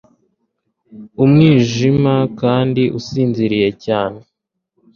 Umwijima kandi usinziriye cyane